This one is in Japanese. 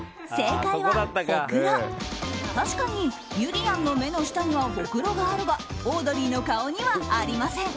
確かにゆりやんの目の下にはほくろがあるがオードリーの顔にはありません。